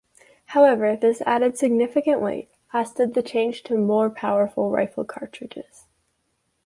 However, this added significant weight, as did the change to more powerful rifle cartridges.